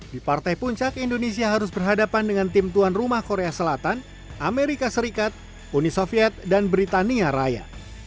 di partai puncak indonesia harus berhadapan dengan tim tuan rumah korea selatan amerika serikat uni soviet dan britania raya